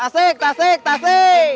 maka kebanyakan sia sia tuntik